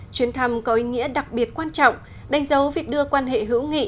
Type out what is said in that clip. chuyến thăm có ý nghĩa đặc biệt quan trọng đánh dấu việc đưa quan hệ hữu nghị